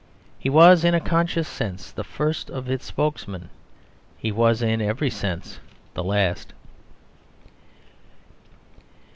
He was, in a conscious sense, the first of its spokesmen. He was in every sense the last.